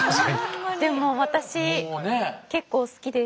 でも私結構好きです。